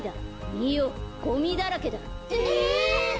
みよゴミだらけだ。ええ！？